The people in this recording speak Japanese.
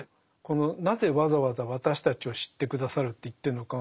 このなぜわざわざ「私たちを知って下さる」って言ってるのか。